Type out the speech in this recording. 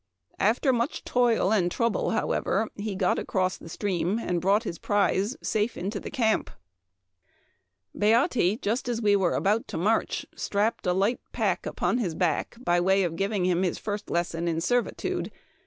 After much toil and trouble, however, he got aeross the stream, and brought his prize safe into the earn p. ...'• Beatte, just as we were about to march, strapped a light pack upon his back, by way of giving him the first lesson in servitude.